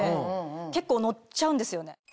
結構のっちゃうんですよね。